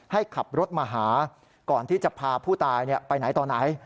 ให้ขับรถมาหาก่อนที่จะพาผู้ตายไปไหนต่อไหน